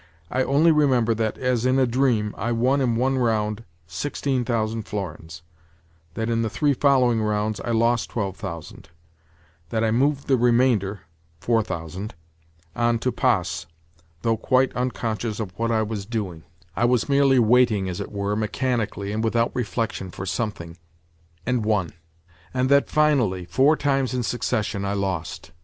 I only remember that, as in a dream, I won in one round sixteen thousand florins; that in the three following rounds, I lost twelve thousand; that I moved the remainder (four thousand) on to "Passe" (though quite unconscious of what I was doing—I was merely waiting, as it were, mechanically, and without reflection, for something) and won; and that, finally, four times in succession I lost.